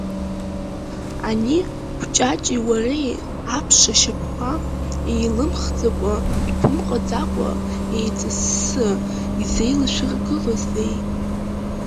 Ани Кәҷаҷи уареи аԥш шьапқәа еилымхӡакәа, иԥымҟаӡака, еиҵассы изеилашәыргылозеи?